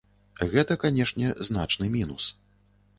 Гэта, канешне, значны мінус.